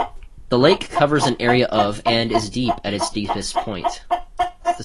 The lake covers an area of and is deep at its deepest point.